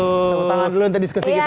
tepuk tangan dulu untuk diskusi kita